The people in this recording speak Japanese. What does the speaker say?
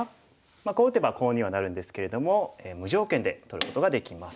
こう打てばコウにはなるんですけれども無条件で取ることができます。